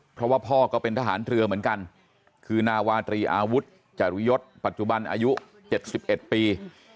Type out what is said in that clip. เพราะว่าพ่อก็เป็นทหารเรือเหมือนกันคือนาวาตรีอาวุธจรุยศปัจจุบันอายุ๗๑ปี